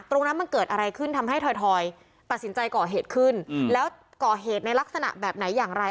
ตรงนั้นมันเกิดอะไรขึ้นทำให้ถอยตัดสินใจก่อเหตุขึ้นแล้วก่อเหตุในลักษณะแบบไหนอย่างไร